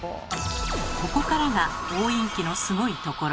ここからが押印機のすごいところ。